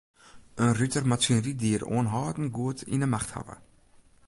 In ruter moat syn ryddier oanhâldend goed yn 'e macht hawwe.